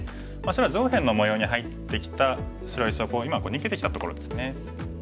白は上辺の模様に入ってきた白石を逃げてきたところですね。